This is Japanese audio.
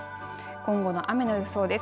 今後の雨の予想です。